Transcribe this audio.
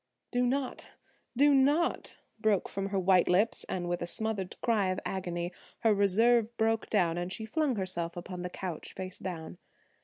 "Do not,–do not,–" broke from her white lips and with a smothered cry of agony her reserve broke down and she flung herself upon the couch face down.